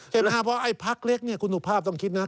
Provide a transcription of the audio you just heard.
เพราะไอ้พักเล็กคุณสุภาพต้องคิดนะ